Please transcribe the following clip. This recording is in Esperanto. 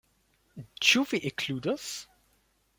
Ĉu vi ekludos?